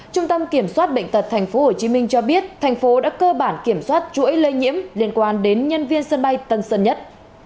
trung tâm kiểm soát bệnh tật tp hcm cho biết thành phố đã cơ bản kiểm soát chuỗi lây nhiễm liên quan đến nhân viên sân bay tân sơn nhất